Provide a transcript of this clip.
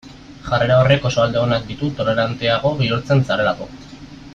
Jarrera horrek oso alde onak ditu toleranteago bihurtzen zarelako.